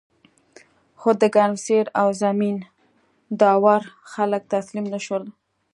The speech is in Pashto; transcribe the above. خو د ګرمسیر او زمین داور خلک تسلیم نشول.